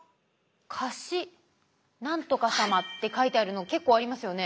「かし何とか様」って書いてあるの結構ありますよね。